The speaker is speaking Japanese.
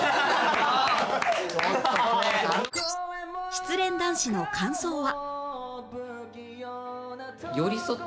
失恋男子の感想は